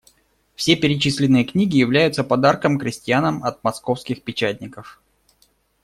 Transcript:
Все перечисленные книги являются подарком крестьянам от Московских печатников.